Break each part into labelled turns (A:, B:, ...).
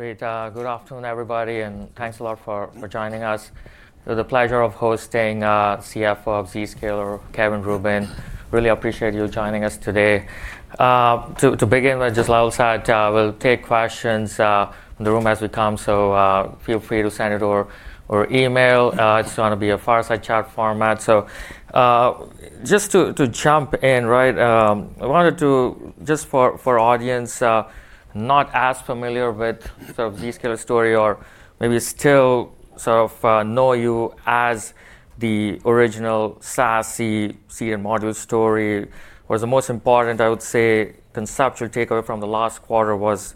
A: Great. Good afternoon, everybody, and thanks a lot for joining us. The pleasure of hosting CFO of Zscaler, Kevin Rubin. Really appreciate you joining us today. To begin, I will say we'll take questions from the room as we come, so feel free to send it or email. It's going to be a fireside chat format. Just to jump in, I wanted to, just for audience not as familiar with Zscaler story or maybe still know you as the original SASE CM module story, was the most important, I would say, conceptual takeaway from the last quarter was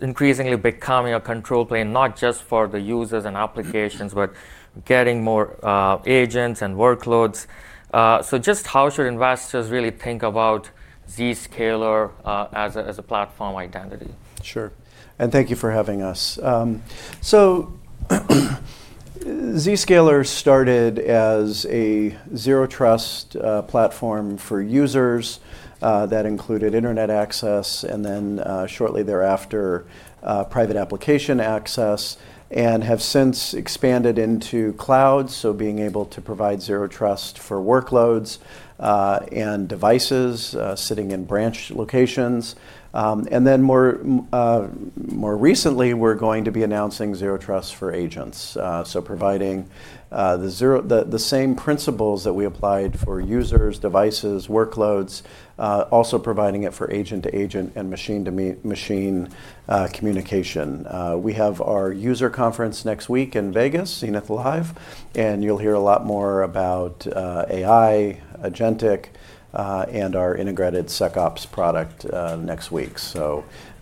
A: increasingly becoming a control plane, not just for the users and applications, but getting more agents and workloads. Just how should investors really think about Zscaler as a platform identity?
B: Sure. Thank you for having us. Zscaler started as a zero trust platform for users, that included internet access and then, shortly thereafter, private application access, and have since expanded into cloud. Being able to provide zero trust for workloads, and devices sitting in branch locations. More recently, we're going to be announcing zero trust for agents. Providing the same principles that we applied for users, devices, workloads, also providing it for agent-to-agent and machine-to-machine communication. We have our user conference next week in Vegas, Zenith Live, and you'll hear a lot more about AI, agentic, and our integrated SecOps product next week.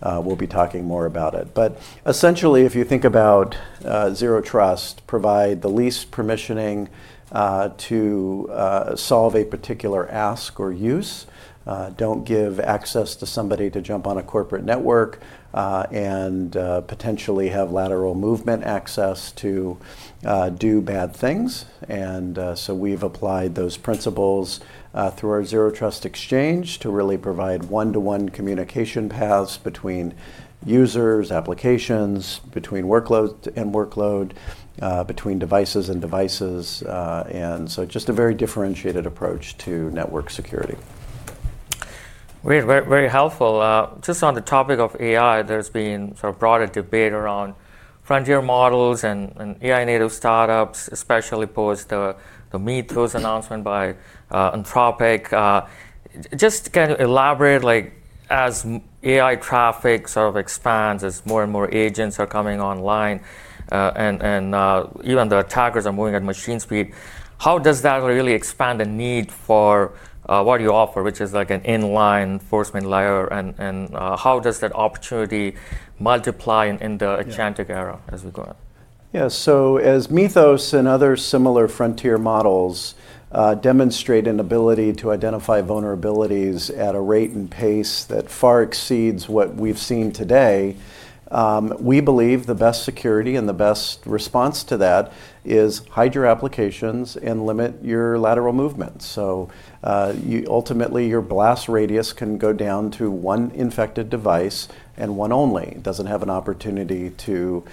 B: We'll be talking more about it. Essentially, if you think about zero trust, provide the least permissioning to solve a particular ask or use. Don't give access to somebody to jump on a corporate network, and potentially have lateral movement access to do bad things. We've applied those principles through our Zero Trust Exchange to really provide one-to-one communication paths between users, applications, between workload and workload, between devices and devices. Just a very differentiated approach to network security.
A: Great. Very helpful. Just on the topic of AI, there's been broader debate around frontier models and AI native startups, especially post the Mythos announcement by Anthropic. Just elaborate, as AI traffic expands, as more and more agents are coming online, and even the attackers are moving at machine speed, how does that really expand the need for what you offer, which is like an inline enforcement layer, and how does that opportunity multiply in the agentic era as we go on?
B: Yeah. As Mythos and other similar frontier models demonstrate an ability to identify vulnerabilities at a rate and pace that far exceeds what we've seen today, we believe the best security and the best response to that is hide your applications and limit your lateral movement. Ultimately, your blast radius can go down to one infected device and one only. It doesn't have an opportunity to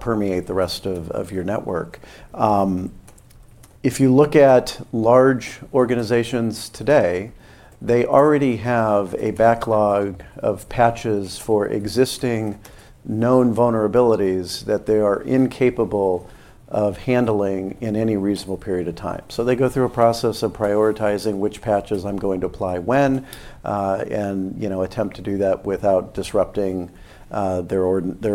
B: permeate the rest of your network. If you look at large organizations today, they already have a backlog of patches for existing known vulnerabilities that they are incapable of handling in any reasonable period of time. They go through a process of prioritizing which patches I'm going to apply when, and attempt to do that without disrupting their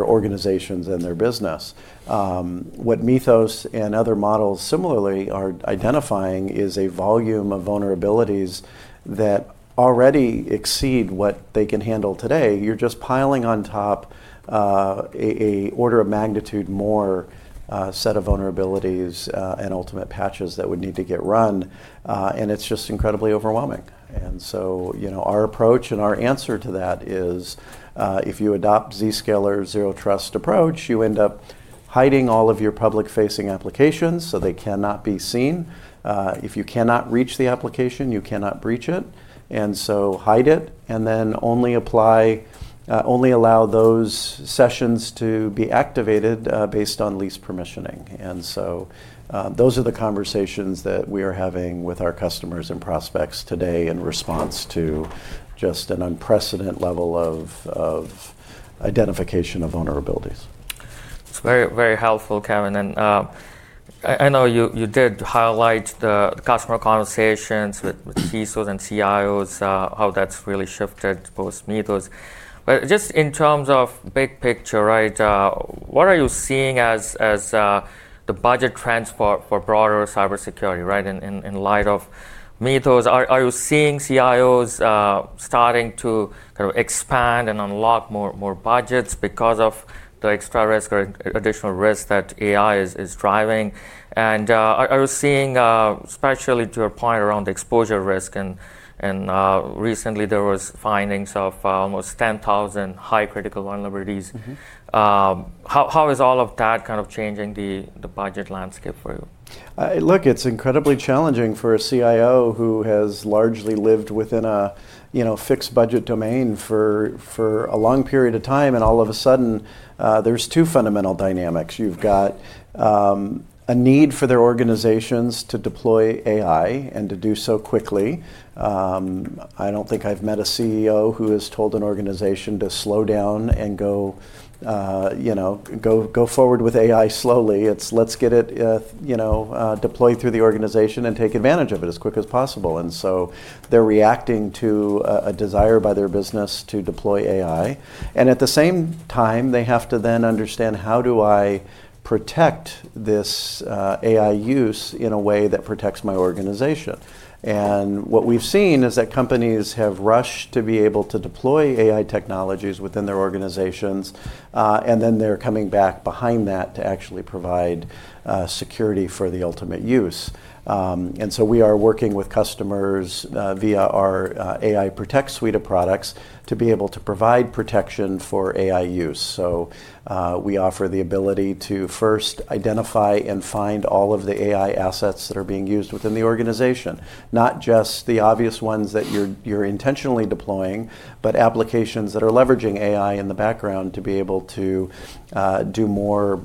B: organizations and their business. What Mythos and other models similarly are identifying is a volume of vulnerabilities that already exceed what they can handle today. You're just piling on top a order of magnitude more set of vulnerabilities, and ultimate patches that would need to get run. It's just incredibly overwhelming. Our approach and our answer to that is, if you adopt Zscaler Zero Trust approach, you end up hiding all of your public-facing applications so they cannot be seen. If you cannot reach the application, you cannot breach it. Hide it, and then only allow those sessions to be activated based on least permissioning. Those are the conversations that we are having with our customers and prospects today in response to just an unprecedented level of identification of vulnerabilities.
A: It's very helpful, Kevin. I know you did highlight the customer conversations with CISOs and CIOs, how that's really shifted post-Mythos. Just in terms of big picture. What are you seeing as the budget trends for broader cybersecurity, right? In light of Mythos, are you seeing CIOs starting to expand and unlock more budgets because of the extra risk or additional risk that AI is driving? Are you seeing, especially to your point around exposure risk, and recently there was findings of almost 10,000 high critical vulnerabilities. How is all of that changing the budget landscape for you?
B: Look, it's incredibly challenging for a CIO who has largely lived within a fixed budget domain for a long period of time, all of a sudden, there's two fundamental dynamics. You've got a need for their organizations to deploy AI and to do so quickly. I don't think I've met a CEO who has told an organization to slow down and go forward with AI slowly. It's let's get it deployed through the organization and take advantage of it as quick as possible. They're reacting to a desire by their business to deploy AI. At the same time, they have to then understand how do I protect this AI use in a way that protects my organization? What we've seen is that companies have rushed to be able to deploy AI technologies within their organizations, and then they're coming back behind that to actually provide security for the ultimate use. We are working with customers via our AI Protect suite of products to be able to provide protection for AI use. We offer the ability to first identify and find all of the AI assets that are being used within the organization, not just the obvious ones that you're intentionally deploying, but applications that are leveraging AI in the background to be able to do more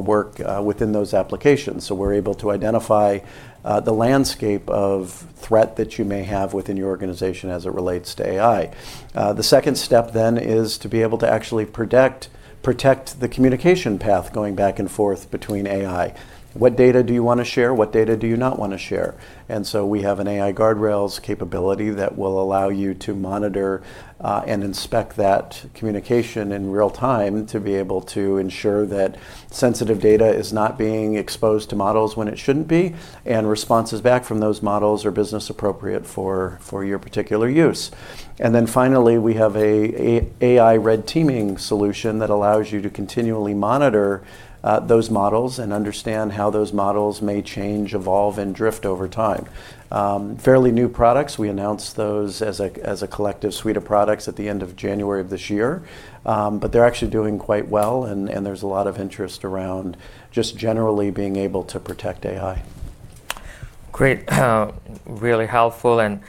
B: work within those applications. We're able to identify the landscape of threat that you may have within your organization as it relates to AI. The second step is to be able to actually protect the communication path going back and forth between AI. What data do you want to share? What data do you not want to share? We have an AI guardrails capability that will allow you to monitor and inspect that communication in real time to be able to ensure that sensitive data is not being exposed to models when it shouldn't be, and responses back from those models are business appropriate for your particular use. Finally, we have an AI Red Teaming solution that allows you to continually monitor those models and understand how those models may change, evolve, and drift over time. Fairly new products, we announced those as a collective suite of products at the end of January of this year. They're actually doing quite well, and there's a lot of interest around just generally being able to protect AI.
A: Great. Really helpful, and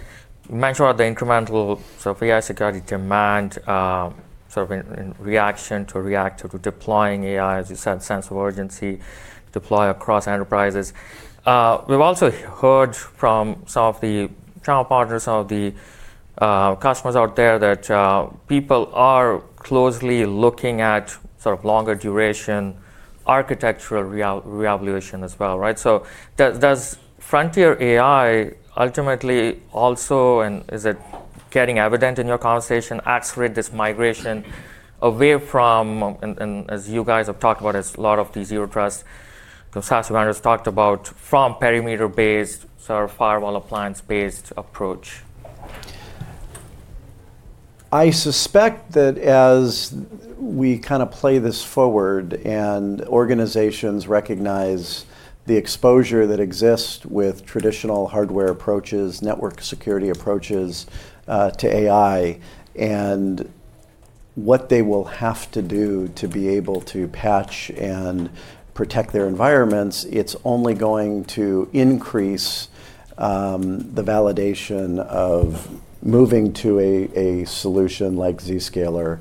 A: you mentioned about the incremental, so AI security demand in reaction to deploying AI, as you said, sense of urgency deploy across enterprises. We've also heard from some of the channel partners, some of the customers out there that people are closely looking at longer duration architectural re-evolution as well, right? Does frontier AI ultimately also, and is it getting evident in your conversation, accelerate this migration away from, and as you guys have talked about as a lot of these zero trust SaaS vendors talked about, from perimeter-based, firewall appliance-based approach?
B: I suspect that as we play this forward and organizations recognize the exposure that exists with traditional hardware approaches, network security approaches to AI, and what they will have to do to be able to patch and protect their environments, it's only going to increase the validation of moving to a solution like Zscaler.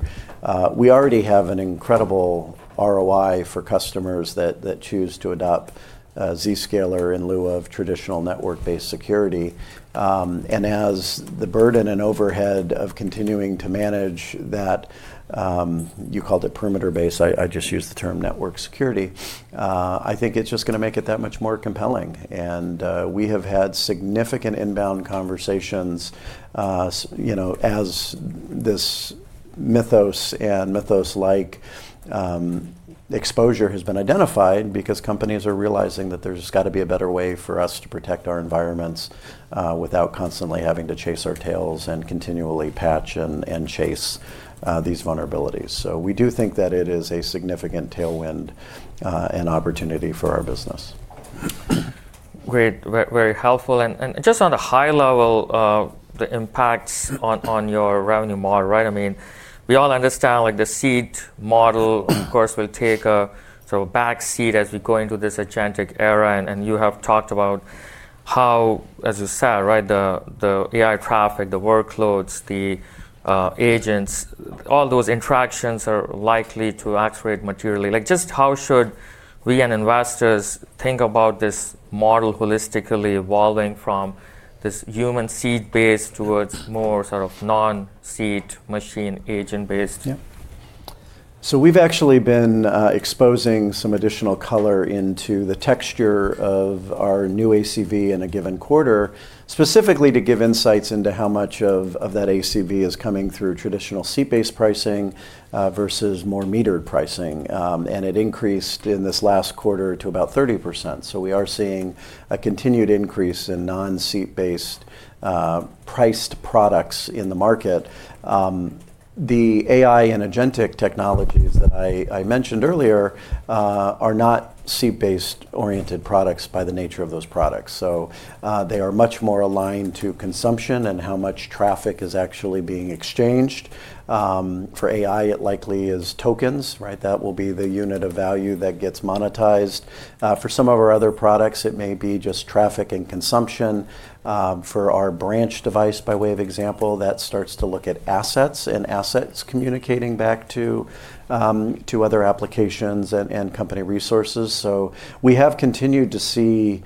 B: We already have an incredible ROI for customers that choose to adopt Zscaler in lieu of traditional network-based security. As the burden and overhead of continuing to manage that, you called it perimeter-based, I just use the term network security, I think it's just going to make it that much more compelling. We have had significant inbound conversations as this Mythos and Mythos-like exposure has been identified, because companies are realizing that there's got to be a better way for us to protect our environments without constantly having to chase our tails and continually patch and chase these vulnerabilities. We do think that it is a significant tailwind and opportunity for our business.
A: Great. Very helpful. Just on a high level the impacts on your revenue model, right? We all understand, the seat model, of course, will take a backseat as we go into this agentic era. You have talked about how, as you said, right, the AI traffic, the workloads, the agents, all those interactions are likely to accelerate materially. Just how should we as investors think about this model holistically evolving from this human seat based towards more non-seat machine agent based?
B: We've actually been exposing some additional color into the texture of our new ACV in a given quarter, specifically to give insights into how much of that ACV is coming through traditional seat-based pricing versus more metered pricing. It increased in this last quarter to about 30%. We are seeing a continued increase in non-seat-based priced products in the market. The AI and agentic technologies that I mentioned earlier are not seat-based oriented products by the nature of those products. They are much more aligned to consumption and how much traffic is actually being exchanged. For AI, it likely is tokens, right? That will be the unit of value that gets monetized. For some of our other products, it may be just traffic and consumption. For our branch device, by way of example, that starts to look at assets and assets communicating back to other applications and company resources. We have continued to see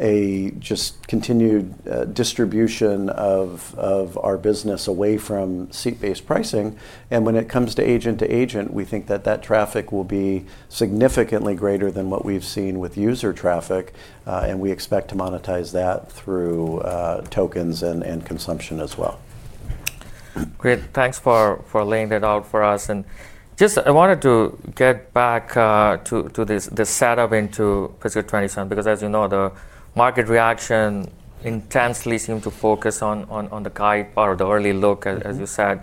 B: a just continued distribution of our business away from seat-based pricing. When it comes to agent to agent, we think that that traffic will be significantly greater than what we've seen with user traffic. We expect to monetize that through tokens and consumption as well.
A: Great. Thanks for laying that out for us. Just, I wanted to get back to this, the setup into fiscal 2027, because as you know, the market reaction intensely seemed to focus on the guide part or the early look, as you said.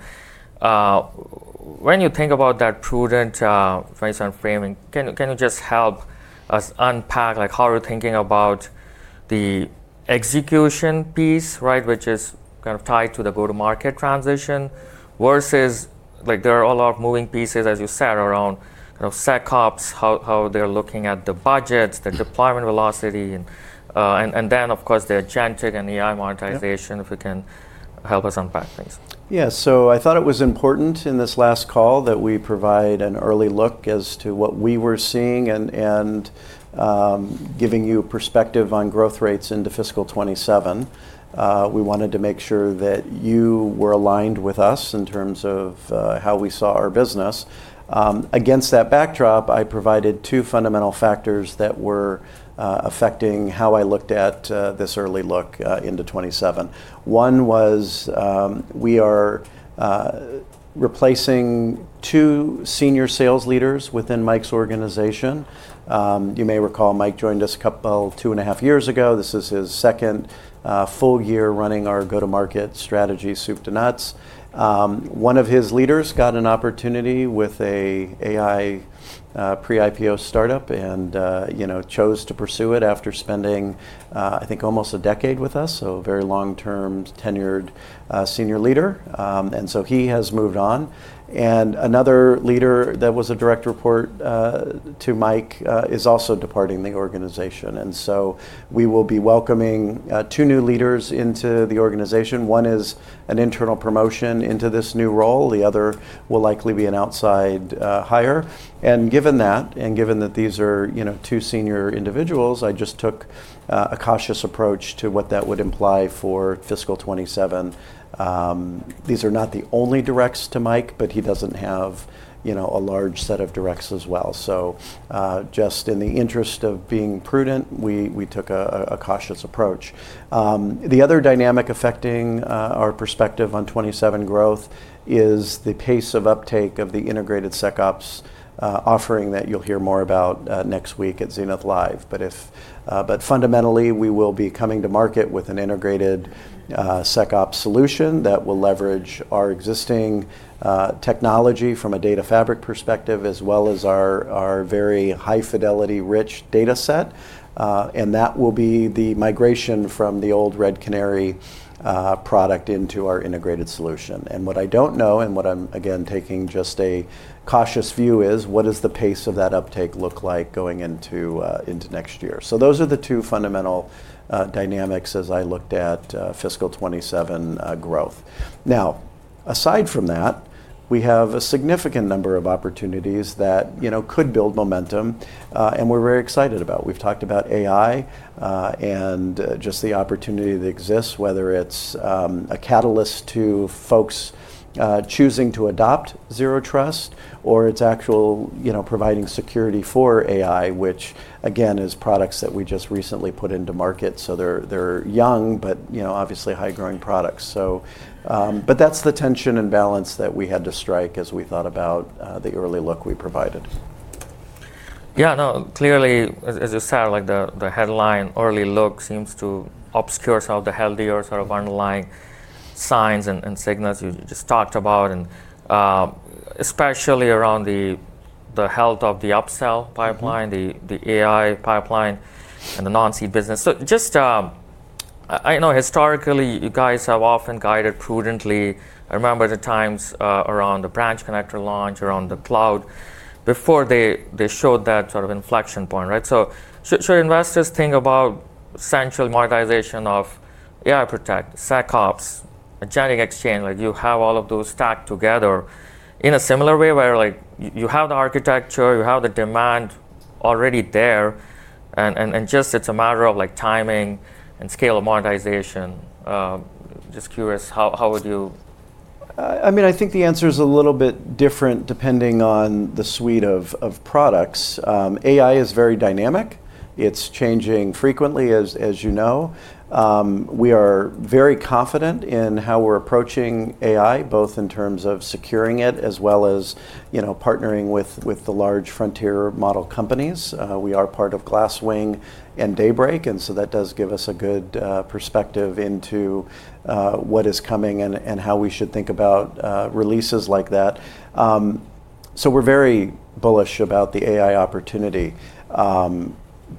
A: When you think about that prudent, 2027 framing, can you just help us unpack how you're thinking about the execution piece, right? Which is kind of tied to the go-to-market transition, versus there are a lot of moving pieces, as you said, around kind of SecOps, how they're looking at the budgets, the deployment velocity, and then of course, the agentic and AI monetization, if you can help us unpack things.
B: I thought it was important in this last call that we provide an early look as to what we were seeing and giving you perspective on growth rates into fiscal 2027. We wanted to make sure that you were aligned with us in terms of how we saw our business. Against that backdrop, I provided two fundamental factors that were affecting how I looked at this early look into fiscal 2027. One was, we are replacing two senior sales leaders within Mike's organization. You may recall, Mike joined us two and a half years ago. This is his second full year running our go-to-market strategy, soup to nuts. One of his leaders got an opportunity with a AI pre-IPO startup and chose to pursue it after spending, I think, almost a decade with us. Very long-term, tenured, senior leader. He has moved on. Another leader that was a direct report to Mike is also departing the organization. We will be welcoming two new leaders into the organization. One is an internal promotion into this new role. The other will likely be an outside hire. Given that, and given that these are two senior individuals, I just took a cautious approach to what that would imply for fiscal 2027. These are not the only directs to Mike, but he doesn't have a large set of directs as well. Just in the interest of being prudent, we took a cautious approach. The other dynamic affecting our perspective on fiscal 2027 growth is the pace of uptake of the integrated SecOps offering that you'll hear more about next week at Zenith Live. Fundamentally, we will be coming to market with an integrated SecOps solution that will leverage our existing technology from a data fabric perspective, as well as our very high fidelity rich data set. That will be the migration from the old Red Canary product into our integrated solution. What I don't know, and what I'm, again, taking just a cautious view is, what does the pace of that uptake look like going into next year? Those are the two fundamental dynamics as I looked at fiscal 2027 growth. Now, aside from that, we have a significant number of opportunities that could build momentum, and we're very excited about. We've talked about AI, and just the opportunity that exists, whether it's a catalyst to folks choosing to adopt Zero Trust or it's actual providing security for AI, which again, is products that we just recently put into market. They're young, but obviously high-growing products. That's the tension and balance that we had to strike as we thought about the early look we provided.
A: Yeah, no, clearly, as I said, the headline early look seems to obscure some of the healthier sort of underlying signs and signals you just talked about, and especially around the health of the upsell pipeline, the AI pipeline, and the non-seat business. Just, I know historically, you guys have often guided prudently. I remember the times around the Branch Connector launch, around the cloud, before they showed that sort of inflection point, right? Should investors think about central monetization of AI Protect, SecOps, Agentic Exchange, like you have all of those stacked together in a similar way where you have the architecture, you have the demand already there, and just it's a matter of timing and scale of monetization? Just curious, how would you?
B: I think the answer is a little bit different depending on the suite of products. AI is very dynamic. It's changing frequently, as you know. We are very confident in how we're approaching AI, both in terms of securing it as well as partnering with the large frontier model companies. We are part of Glasswing and Daybreak, That does give us a good perspective into what is coming and how we should think about releases like that. We're very bullish about the AI opportunity.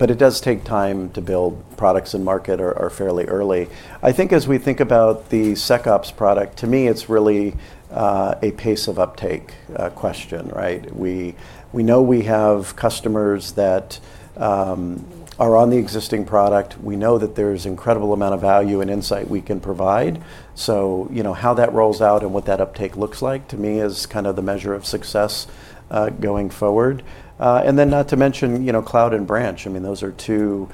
B: It does take time to build products, and markets are fairly early. I think as we think about the SecOps product, to me, it's really a pace-of-uptake question. We know we have customers that are on the existing product. We know that there's incredible amount of value and insight we can provide. How that rolls out and what that uptake looks like, to me, is the measure of success going forward. Not to mention, Cloud and Branch, those are two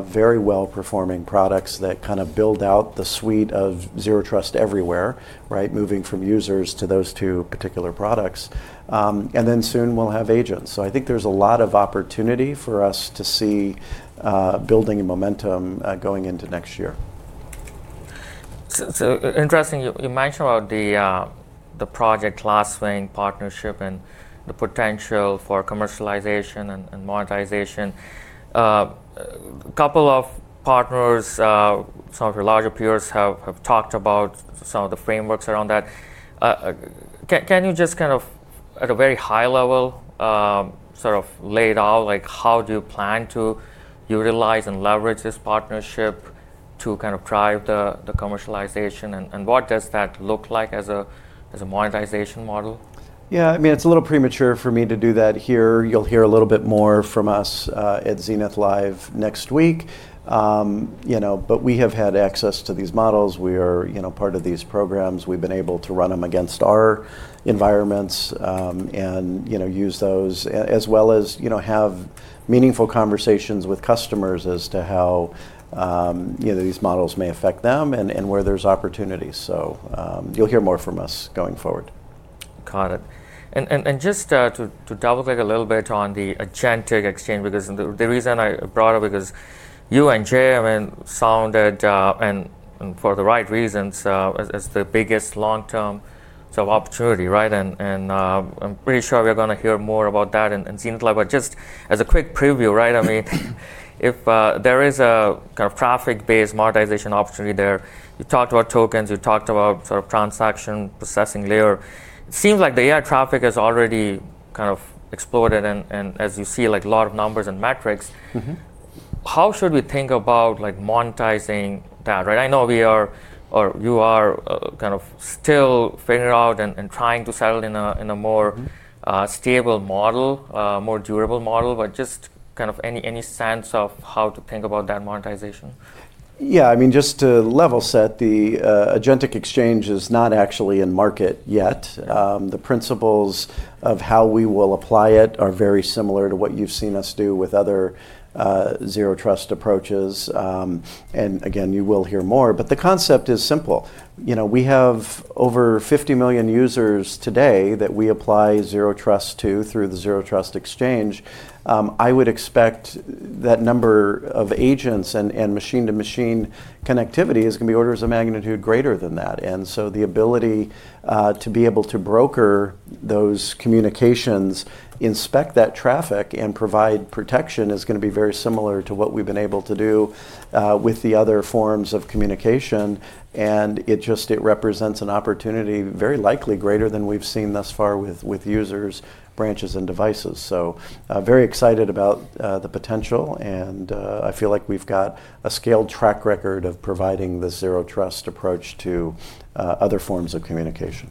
B: very well-performing products that build out the suite of zero trust everywhere. Moving from users to those two particular products. Soon we'll have agents. I think there's a lot of opportunity for us to see building momentum going into next year.
A: Interesting you mention about the Project Glasswing partnership and the potential for commercialization and monetization. A couple of partners, some of your larger peers, have talked about some of the frameworks around that. Can you just at a very high level lay it out, like how do you plan to utilize and leverage this partnership to drive the commercialization, and what does that look like as a monetization model?
B: It's a little premature for me to do that here. You'll hear a little bit more from us at Zenith Live next week. We have had access to these models. We are part of these programs. We've been able to run them against our environments, and use those, as well as have meaningful conversations with customers as to how these models may affect them and where there's opportunities. You'll hear more from us going forward.
A: Got it. Just to double-click a little bit on the Agentic Exchange, because the reason I brought it up is you and Jay sounded, and for the right reasons, as the biggest long-term opportunity. I'm pretty sure we are going to hear more about that in Zenith Live. Just as a quick preview, if there is a traffic-based monetization opportunity there. You talked about tokens, you talked about transaction processing layer. Seems like the AI traffic has already exploded and as you see, a lot of numbers and metrics. How should we think about monetizing that? I know you are still figuring out and trying to settle in a more stable model, a more durable model, but just any sense of how to think about that monetization?
B: Yeah. Just to level set, the Agentic Exchange is not actually in market yet. The principles of how we will apply it are very similar to what you've seen us do with other Zero Trust approaches. Again, you will hear more, but the concept is simple. We have over 50 million users today that we apply Zero Trust to through the Zero Trust Exchange. I would expect that number of agents and machine-to-machine connectivity is going to be orders of magnitude greater than that. So the ability to be able to broker those communications, inspect that traffic, and provide protection is going to be very similar to what we've been able to do with the other forms of communication. It represents an opportunity very likely greater than we've seen thus far with users, branches, and devices. Very excited about the potential, and I feel like we've got a scaled track record of providing the Zero Trust approach to other forms of communication.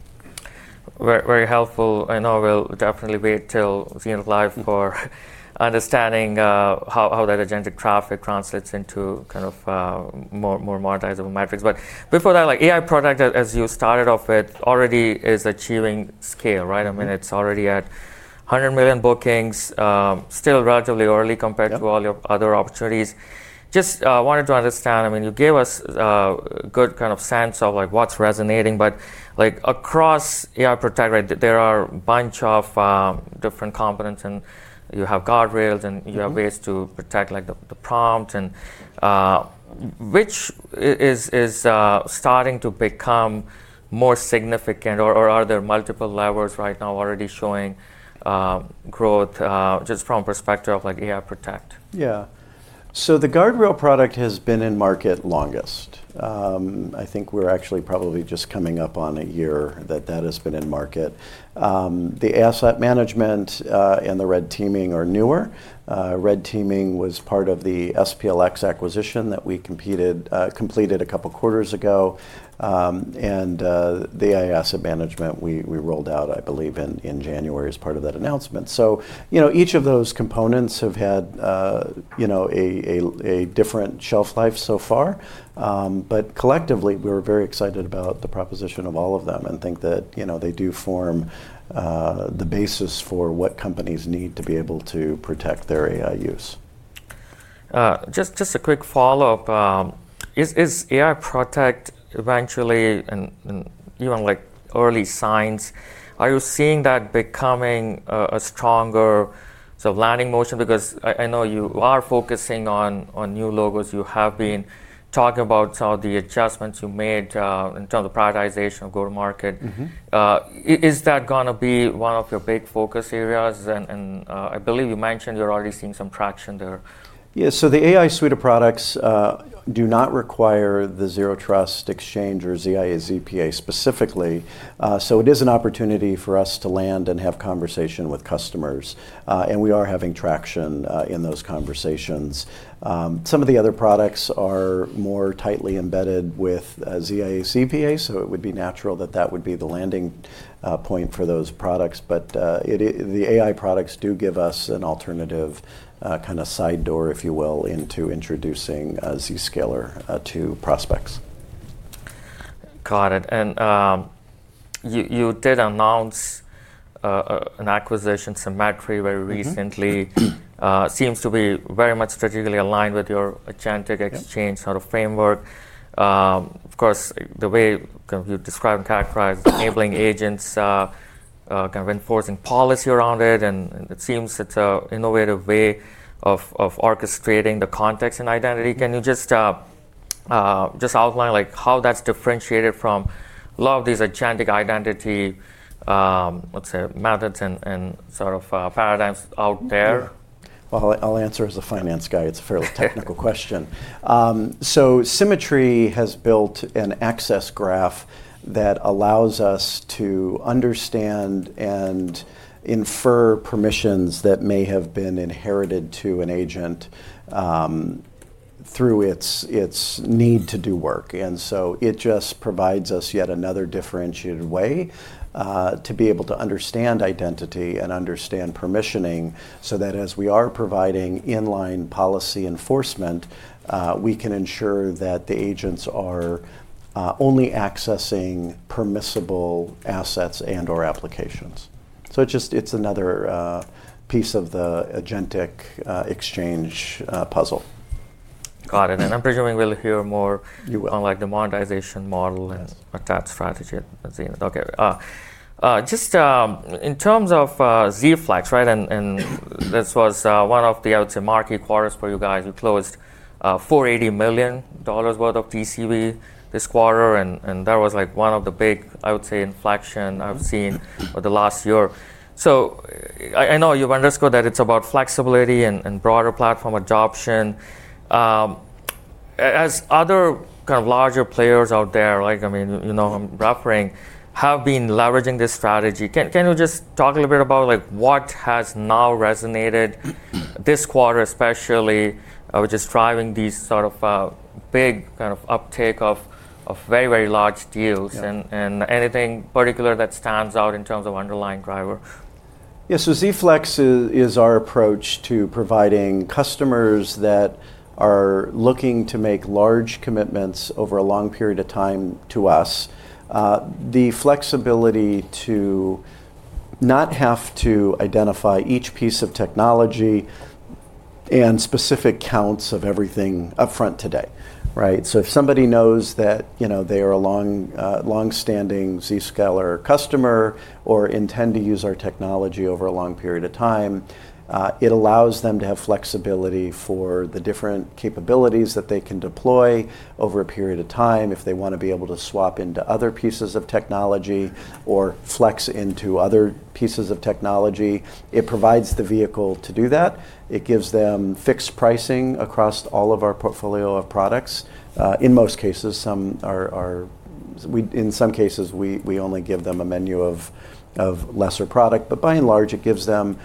A: Very helpful. I know we'll definitely wait till Zenith Live for understanding how that agentic traffic translates into more monetizable metrics. Before that, AI product, as you started off with, already is achieving scale, right? It's already at $100 million bookings. Still relatively early compared to all your other opportunities. Just wanted to understand, you gave us a good sense of what's resonating, but across AI Protect, there are bunch of different components, and you have guardrails, and you have ways to protect the prompt, and which is starting to become more significant, or are there multiple levels right now already showing growth, just from perspective of AI Protect?
B: The guardrail product has been in market longest. I think we're actually probably just coming up on a year that has been in market. The Asset Management and the Red Teaming are newer. Red Teaming was part of the SPLX acquisition that we completed a couple of quarters ago. The AI Asset Management, we rolled out, I believe, in January as part of that announcement. Each of those components have had a different shelf life so far. Collectively, we're very excited about the proposition of all of them and think that they do form the basis for what companies need to be able to protect their AI use.
A: Just a quick follow-up. Is AI Protect eventually, and even early signs, are you seeing that becoming a stronger landing motion? I know you are focusing on new logos. You have been talking about some of the adjustments you made in terms of prioritization of go-to-market. Is that going to be one of your big focus areas? I believe you mentioned you're already seeing some traction there.
B: Yeah. The AI suite of products do not require the Zero Trust Exchange or ZIA/ZPA specifically. We are having traction in those conversations. Some of the other products are more tightly embedded with ZIA/ZPA, so it would be natural that that would be the landing point for those products. The AI products do give us an alternative side door, if you will, into introducing Zscaler to prospects.
A: Got it. You did announce an acquisition, Symmetry, very recently. Seems to be very much strategically aligned with your Agentic Exchange framework. Of course, the way you describe and characterize enabling agents, enforcing policy around it, and it seems it's an innovative way of orchestrating the context and identity. Can you just outline how that's differentiated from a lot of these agentic identity, let's say, methods and paradigms out there?
B: Well, I'll answer as a finance guy. It's a fairly technical question. Symmetry has built an access graph that allows us to understand and infer permissions that may have been inherited to an agent through its need to do work. It just provides us yet another differentiated way to be able to understand identity and understand permissioning, so that as we are providing inline policy enforcement, we can ensure that the agents are only accessing permissible assets and/or applications. It's another piece of the Agentic Exchange puzzle.
A: Got it. I'm presuming we'll hear more.
B: You will.
A: on the monetization model.
B: Yes
A: attack strategy at the scene. Okay. Just in terms of Z-Flex, this was one of the, I would say, market quarters for you guys. You closed $480 million worth of TCV this quarter, that was one of the big, I would say, inflection I've seen over the last year. I know you've underscored that it's about flexibility and broader platform adoption. As other larger players out there, I'm referring, have been leveraging this strategy, can you just talk a little bit about what has now resonated this quarter especially with just driving these big uptick of very large deals?
B: Yeah.
A: Anything particular that stands out in terms of underlying driver?
B: Z-Flex is our approach to providing customers that are looking to make large commitments over a long period of time to us, the flexibility to not have to identify each piece of technology and specific counts of everything upfront today. Right. If somebody knows that they are a longstanding Zscaler customer or intend to use our technology over a long period of time, it allows them to have flexibility for the different capabilities that they can deploy over a period of time. If they want to be able to swap into other pieces of technology or flex into other pieces of technology, it provides the vehicle to do that. It gives them fixed pricing across all of our portfolio of products. In most cases. In some cases, we only give them a menu of lesser product. By and large, it gives them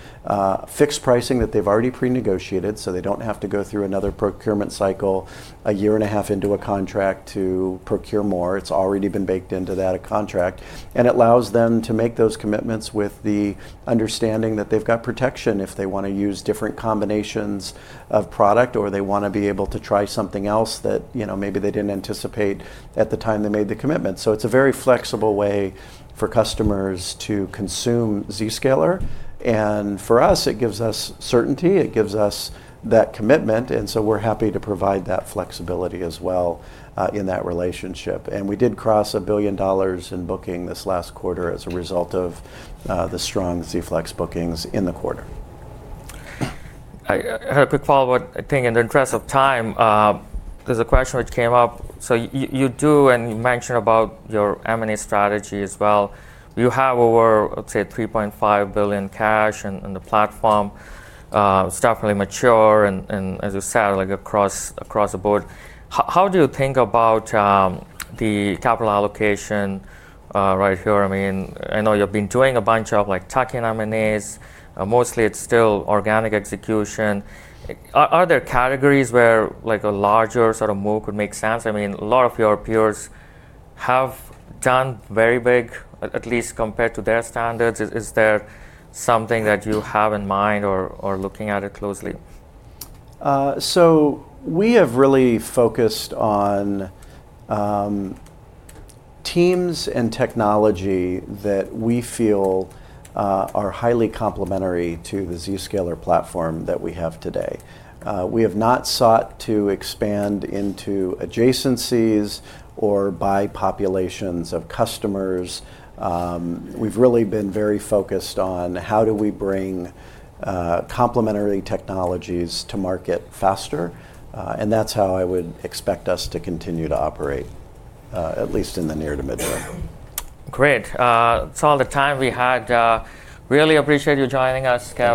B: fixed pricing that they've already prenegotiated, so they don't have to go through another procurement cycle a year and a half into a contract to procure more. It's already been baked into that contract. It allows them to make those commitments with the understanding that they've got protection if they want to use different combinations of product, or they want to be able to try something else that maybe they didn't anticipate at the time they made the commitment. It's a very flexible way for customers to consume Zscaler. For us, it gives us certainty. It gives us that commitment, so we're happy to provide that flexibility as well in that relationship. We did cross $1 billion in booking this last quarter as a result of the strong Z-Flex bookings in the quarter.
A: I have a quick follow-up thing in the interest of time, there's a question which came up. You do, and you mentioned about your M&A strategy as well. You have over, let's say, $3.5 billion cash in the platform. It's definitely mature and as you said, across the board. How do you think about the capital allocation right here? I know you've been doing a bunch of tuck-in M&As. Mostly it's still organic execution. Are there categories where a larger move would make sense? A lot of your peers have done very big, at least compared to their standards. Is there something that you have in mind or looking at it closely?
B: We have really focused on teams and technology that we feel are highly complementary to the Zscaler platform that we have today. We have not sought to expand into adjacencies or by populations of customers. We've really been very focused on how do we bring complementary technologies to market faster. That's how I would expect us to continue to operate, at least in the near to midterm.
A: Great. That's all the time we had. Really appreciate you joining us, Kevin.